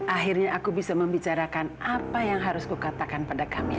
akhirnya aku bisa membicarakan apa yang harus kukatakan pada kami